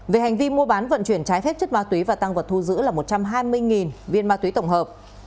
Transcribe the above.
về hành vi mua bán vận chuyển trái phép chất ma túy và tăng vật thu giữ là một trăm hai mươi viên ma túy tổng hợp